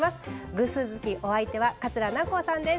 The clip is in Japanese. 偶数月お相手は桂南光さんです。